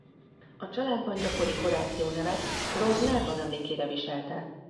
A családban gyakori Horatio nevet lord Nelson emlékére viselte.